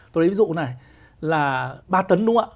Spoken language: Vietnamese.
tôi lấy ví dụ này là ba tấn đúng không ạ